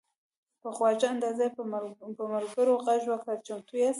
په خواږه انداز یې پر ملګرو غږ وکړ: "چمتو یاست؟"